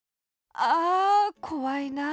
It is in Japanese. あこわいな。